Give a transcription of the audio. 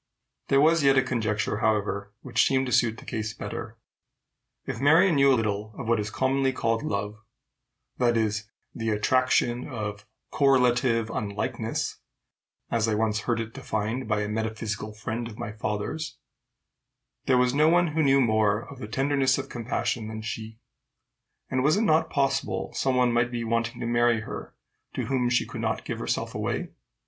There was yet a conjecture, however, which seemed to suit the case better. If Marion knew little of what is commonly called love, that is, "the attraction of correlative unlikeness," as I once heard it defined by a metaphysical friend of my father's, there was no one who knew more of the tenderness of compassion than she; and was it not possible some one might be wanting to marry her to whom she could not give herself away?